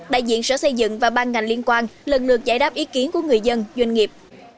đại diện sở xây dựng và ban ngành liên quan lần lượt giải đáp ý kiến của người dân doanh nghiệp